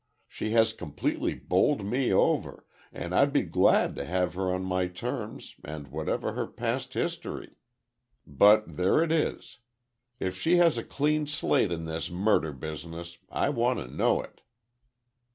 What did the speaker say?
She has completely bowled me over, and I'd be glad to have her on any terms and whatever her past history. But, there it is. If she has a clean slate in this murder business, I want to know it."